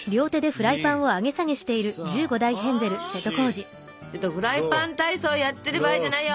フライパン体操やってる場合じゃないよ。